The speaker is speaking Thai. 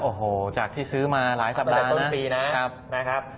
โอ้โหจากที่ซื้อมาหลายสัปดาห์ต้นปีนะครับ